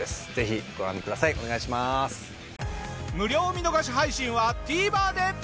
無料見逃し配信はＴＶｅｒで！